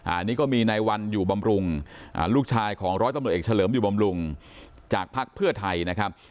อันนี้ก็มีในวันอยู่บำรุงลูกชายของร้อยตำรวจเอกเฉลิมอยู่บำรุงจากภักดิ์เพื่อไทยนะครับ